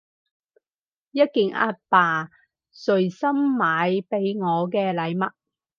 一件阿爸隨心買畀我嘅禮物